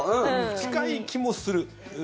近い気もする。